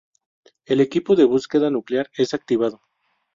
El equipo de búsqueda nuclear es activado.